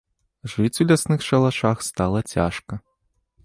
Жыць у лясных шалашах стала цяжка.